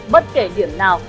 bất kể điểm nào